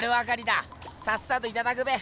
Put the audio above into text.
さっさといただくべ！